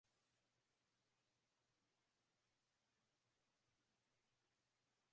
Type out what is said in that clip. sarafu ya heller ilikuwa moja wapo ya aina ya rupia